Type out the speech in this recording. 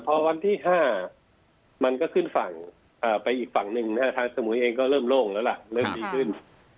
พอวันที่๕เอิงก็ขึ้นฝั่งไปอีกมงก็เริ่มโล่งแล้วเริ่มดีขึ้น